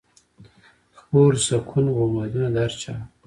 خپور سکون و امیدونه د هر چا وه